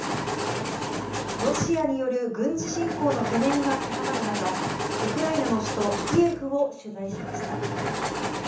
ロシアによる軍事侵攻の懸念が高まる中、ウクライナの首都キエフを取材しました。